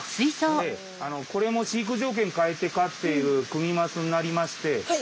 ええこれも飼育条件変えて飼っているクニマスになりまして。